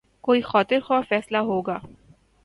کوئی خاطر خواہ فیصلہ ہو گا۔